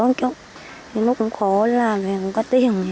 nó cũng khổ làm mà cũng có tiền